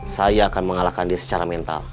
saya akan mengalahkan dia secara mental